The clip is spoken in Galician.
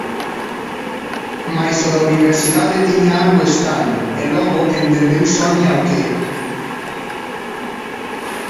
Mais o da universidade tiña algo estraño e logo entendeu Sonia o que.